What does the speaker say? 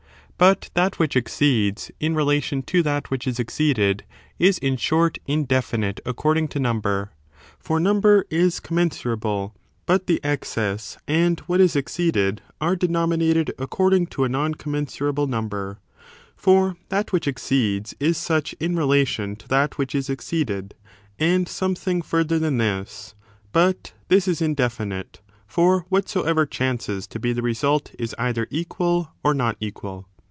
But that which exceeds, in relation to that which is exceeded, is, in short, in definite according to number ; for number is commensurable : but the excess and what is exceeded are denominated accord ing to a non commensurable number; for that which exceeds is such in relation to that which is exceeded, and something further than this : but this is indefinite; for whatsoever chances to be the result is either equal or not equal.